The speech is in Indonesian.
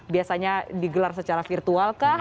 biasanya digelar secara virtual kah